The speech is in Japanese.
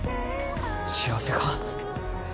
幸せか？